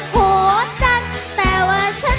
เธอเป็นผู้สาวขาเลียน